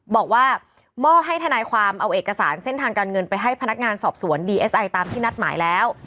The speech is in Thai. บอกว่ามอบให้ทนายความเอาเอกสารเส้นทางการเงินไปให้พนักงานสอบสวนดีเอสไอตามที่นัดหมายแล้ว